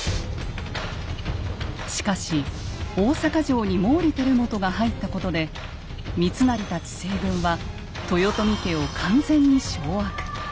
しかし大坂城に毛利輝元が入ったことで三成たち西軍は豊臣家を完全に掌握。